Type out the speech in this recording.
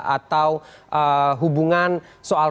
atau hubungan soal